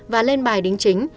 và lên bài đính chính